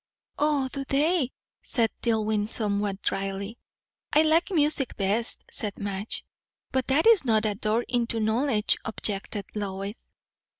"O, do they!" said Dillwyn somewhat dryly. "I like music best," said Madge. "But that is not a door into knowledge," objected Lois.